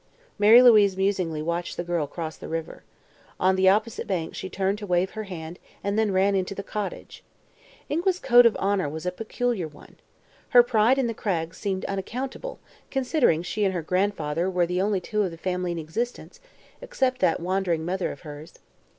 Mary Louise musingly watched the girl cross the river. On the opposite bank she turned to wave her hand and then ran into the cottage. Ingua's code of honor was a peculiar one. Her pride in the Craggs seemed unaccountable, considering she and her grandfather were the only two of the family in existence except that wandering mother of hers.